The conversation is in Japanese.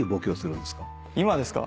今ですか？